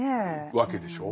わけでしょう。